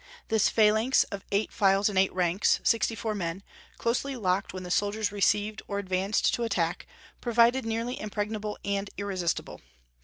This phalanx of eight files and eight ranks, sixty four men, closely locked when the soldiers received or advanced to attack, proved nearly impregnable and irresistible.